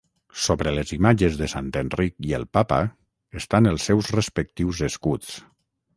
Sobre les imatges de sant Enric i el papa estan els seus respectius escuts.